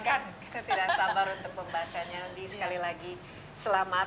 kita tidak sabar untuk membacanya di sekali lagi selamat